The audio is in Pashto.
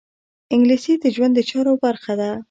انګلیسي د ژوند د چارو برخه ده